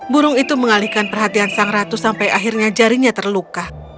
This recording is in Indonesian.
burung itu mengalihkan perhatian sang ratu sampai akhirnya jarinya terluka